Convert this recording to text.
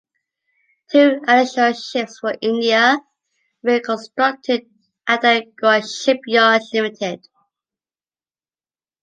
Two additional ships for India are being constructed at the Goa Shipyard Limited.